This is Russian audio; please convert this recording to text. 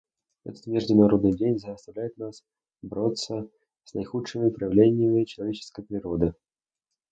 Этот Международный день заставляет нас бороться с наихудшими проявлениями человеческой природы.